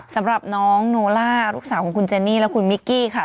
สำหรับน้องโนล่าลูกสาวของคุณเจนี่และคุณมิกกี้ค่ะ